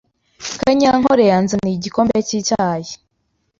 Kanyankore yanzaniye igikombe cy'icyayi.